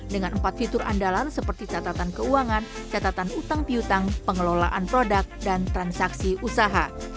dengan empat fitur andalan seperti catatan keuangan catatan utang piutang pengelolaan produk dan transaksi usaha